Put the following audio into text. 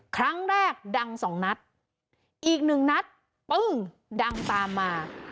ครั้งแรกดังสองนัดอีกหนึ่งนัดปึ้งดังตามมา